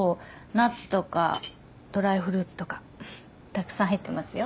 ナッツとかドライフルーツとかたくさん入ってますよ。